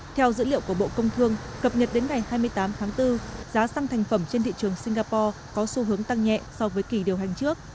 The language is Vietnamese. theo dữ liệu của bộ công thương cập nhật đến ngày hai mươi tám tháng bốn giá xăng thành phẩm trên thị trường singapore có xu hướng tăng nhẹ so với kỳ điều hành trước